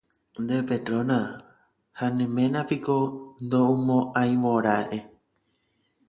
nde Petrona, ha ne ména piko ndoumo'ãivoira'e